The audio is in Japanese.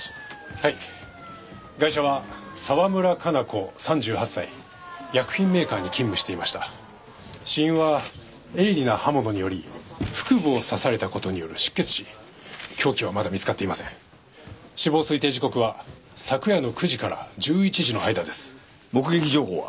はいガイシャは沢村加奈子３８歳薬品メーカーに勤務していました死因は鋭利な刃物により腹部を刺されたことによる失血死凶器はまだ見つかっていません死亡推定時刻は昨夜の９時から１１時の間です目撃情報は？